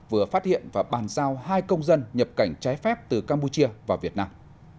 vừa phát hiện và bàn giao hai công dân nhập cảnh trái phép từ campuchia vào việt nam